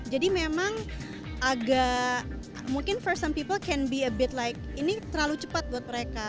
jadi memang agak mungkin for some people can be a bit like ini terlalu cepat buat mereka